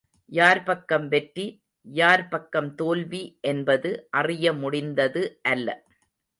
யார் பக்கம் வெற்றி, யார் பக்கம் தோல்வி என்பது அறிய முடிந்தது அல்ல.